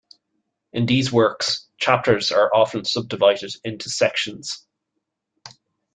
In these works, chapters are often subdivided into sections.